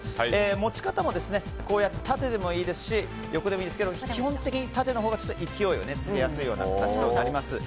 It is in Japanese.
持ち方も、縦でもいいですし横でもいいんですけど基本的に縦のほうが勢いをつけやすい感じとなります。